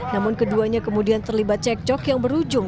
namun keduanya kemudian terlibat cekcok yang berujung